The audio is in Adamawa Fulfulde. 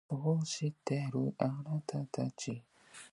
Wamnde nde mawni warti budurwa. Nawliiko ɗon jali nde tum.